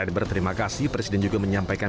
dan berterima kasih presiden juga menyampaikan